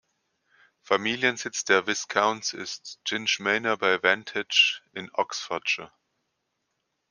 Familiensitz der Viscounts ist Ginge Manor bei Wantage in Oxfordshire.